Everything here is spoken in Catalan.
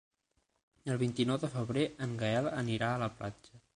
El vint-i-nou de febrer en Gaël anirà a la platja.